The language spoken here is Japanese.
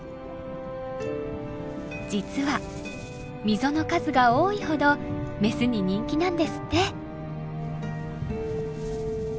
実は溝の数が多いほどメスに人気なんですって。